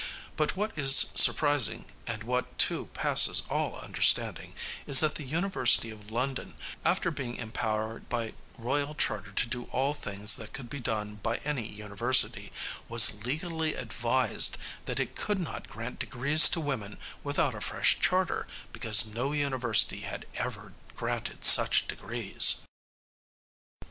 But what is surprising, and what, too, passes all understanding, is that the University of London, after being empowered by royal charter to do all things that could be done by any university, was legally advised that it could not grant degrees to women without a fresh charter, because no university had ever granted such degrees.